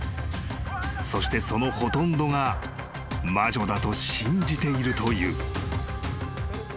［そしてそのほとんどが魔女だと信じているという］